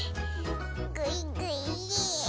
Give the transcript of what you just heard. ぐいぐい。